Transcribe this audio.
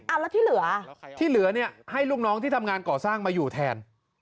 แล้วที่เหลือที่เหลือเนี่ยให้ลูกน้องที่ทำงานก่อสร้างมาอยู่แทน